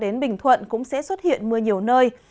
đến bình thuận cũng sẽ xuất hiện mưa nhiều nơi